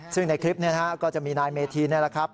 ซึ่งในคลิปนี้ก็จะมีนายเมธีนี่แหละครับ